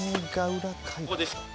ここですか？